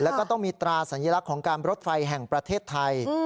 แล้วก็ต้องมีตราสัญลักษณ์ของการรถไฟแห่งประเทศไทย